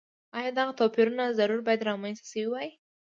ایا دغه توپیرونه ضرور باید رامنځته شوي وای.